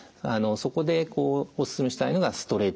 そこでお勧めしたいのがストレッチ。